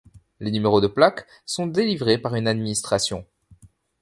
Les numéros des plaques sont délivrés par une administration.